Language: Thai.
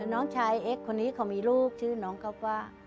น้องชายเอ็กซคนนี้เขามีลูกชื่อน้องก๊อฟฟว่า